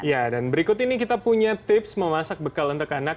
ya dan berikut ini kita punya tips memasak bekal untuk anak